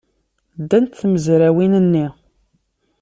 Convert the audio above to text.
Ddant tmezrawin-nni.